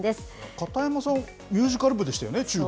片山さん、ミュージカル部でしたよね、中高。